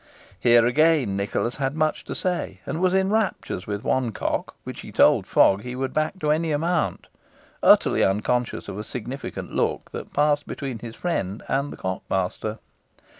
Here, again, Nicholas had much to say, and was in raptures with one cock, which he told Fogg he would back to any amount, utterly unconscious of a significant look that passed between his friend and the cock master.